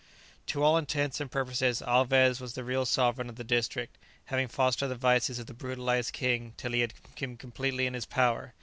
To all intents and purposes Alvez was the real sovereign of the district, having fostered the vices of the brutalized king till he had him completely in his power.